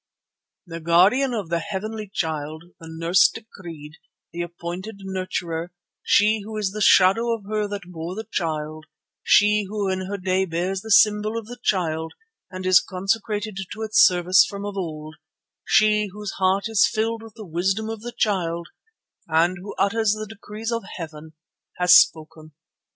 "The Guardian of the heavenly Child, the Nurse decreed, the appointed Nurturer, She who is the shadow of her that bore the Child, She who in her day bears the symbol of the Child and is consecrated to its service from of old, She whose heart is filled with the wisdom of the Child and who utters the decrees of Heaven, has spoken.